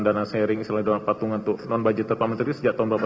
dana sharing selain itu ada uang patungan untuk non budget terpamat tadi sejak tahun berapa